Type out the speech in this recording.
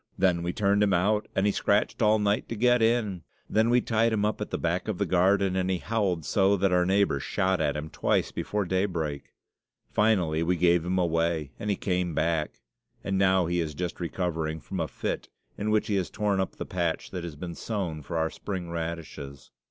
Then we turned him out, and he scratched all night to get in. Then we tied him up at the back of the garden, and he howled so that our neighbour shot at him twice before daybreak. Finally we gave him away, and he came back; and now he is just recovering from a fit, in which he has torn up the patch that has been sown for our spring radishes.